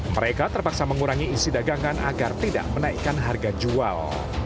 mereka terpaksa mengurangi isi dagangan agar tidak menaikkan harga jual